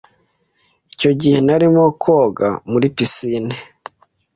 Icyo gihe narimo koga muri pisine.